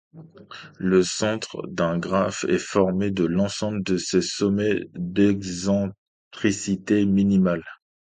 Le centre d'un graphe est formé de l'ensemble de ses sommets d'excentricité minimale.